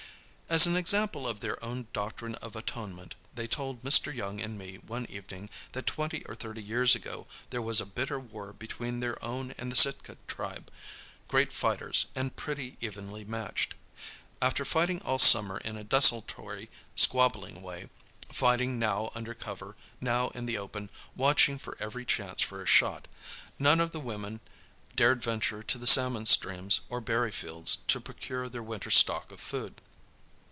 As an example of their own doctrine of atonement they told Mr. Young and me one evening that twenty or thirty years ago there was a bitter war between their own and the Sitka tribe, great fighters, and pretty evenly matched. After fighting all summer in a desultory, squabbling way, fighting now under cover, now in the open, watching for every chance for a shot, none of the women dared venture to the salmon streams or berry fields to procure their winter stock of food.